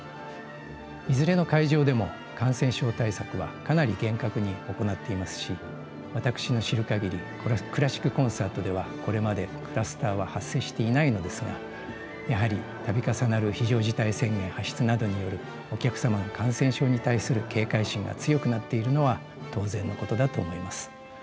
いずれの会場でも感染症対策はかなり厳格に行っていますし私の知る限りクラシックコンサートではこれまでクラスターは発生していないのですがやはり度重なる非常事態宣言発出などによるお客様の感染症に対する警戒心が強くなっているのは当然のことだと思います。